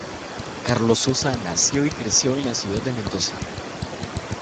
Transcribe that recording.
Carlos Sosa, nació y se crio en la Ciudad de Mendoza.